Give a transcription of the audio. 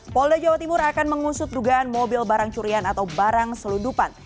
polda jawa timur akan mengusut dugaan mobil barang curian atau barang selundupan